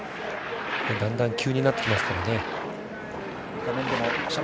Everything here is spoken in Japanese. だんだん急になってきますからね。